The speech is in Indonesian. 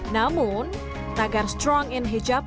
namun tagar strong in hijab